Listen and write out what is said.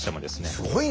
すごいね。